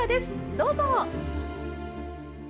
どうぞ！